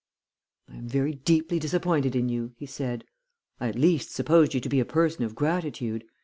"'I am very deeply disappointed in you,' he said. 'I at least supposed you to be a person of gratitude.